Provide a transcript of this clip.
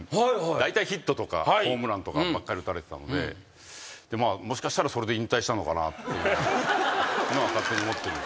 だいたいヒットとかホームランとかばっかり打たれてたのでもしかしたらそれで引退したのかなって勝手に思ってるんですけど。